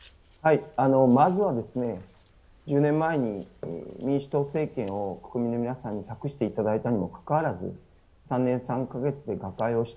まずは、１０年前に民主党政権を国民の皆さんに託していただいたにもかかわらず３年３か月で瓦解した。